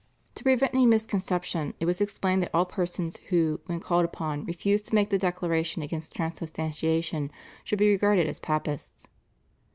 To prevent any misconception it was explained that all persons, who, when called upon, refused to make the Declaration against Transubstantiation, should be regarded as Papists.